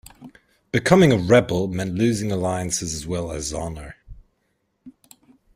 Becoming a "rebel" meant losing alliances as well as honor.